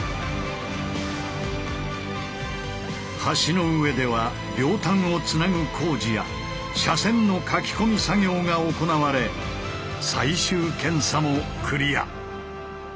橋の上では両端をつなぐ工事や車線の描き込み作業が行われ最終検査もクリア。